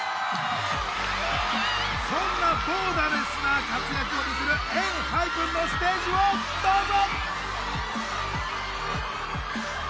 そんなボーダレスな活躍を見せるＥＮＨＹＰＥＮのステージをどうぞ！